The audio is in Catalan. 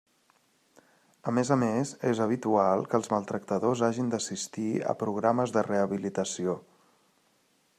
A més a més és habitual que els maltractadors hagin d'assistir a programes de rehabilitació.